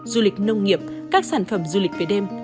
du lịch nông nghiệp các sản phẩm du lịch về đêm